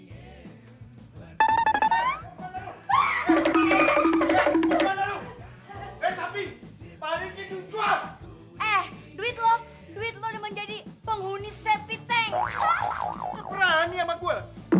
eh duit lo duit lo menjadi penghuni sepi tank perani ama gua